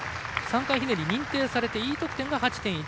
３回ひねりは認定されてＥ得点は８．１６６。